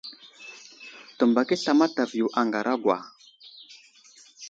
Təmbak i asla mataviyo a ŋaragwa.